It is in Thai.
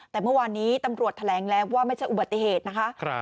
แต่เมื่อวานนี้ตำรวจแถลงแล้วว่าไม่ใช่อุบัติเหตุนะคะ